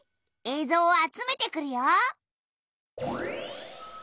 えいぞうを集めてくるよ。